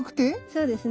そうですね。